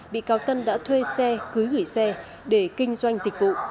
bị cáo tân đã thuê xe cưới gửi xe để kinh doanh dịch vụ